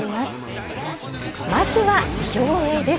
まずは競泳です。